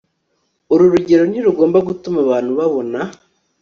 Uru rugero ntirugomba gutuma abantu babona